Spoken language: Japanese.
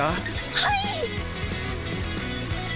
はい！